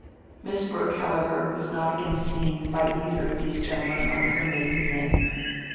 Miss Brooke, however, was not again seen by either of these gentlemen under her maiden name.